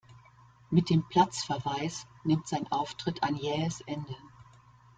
Mit dem Platzverweis nimmt sein Auftritt ein jähes Ende.